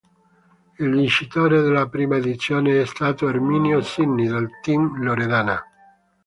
Il vincitore della prima edizione è stato Erminio Sinni del Team Loredana.